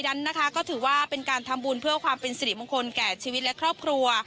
นั้นนะคะก็ถือว่าเป็นการทำบุญเพื่อความเป็นสิริมงคลแก่ชีวิตและครอบครัว